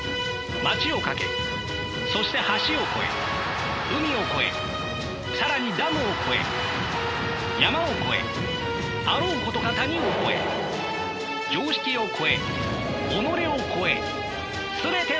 街を駆けそして橋を越え海を越え更にダムを越え山を越えあろうことか谷を越え常識を越え己を越え全てを越えて。